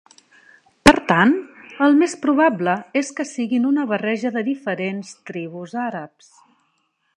Per tant, el més probable és que siguin una barreja de diferents tribus àrabs.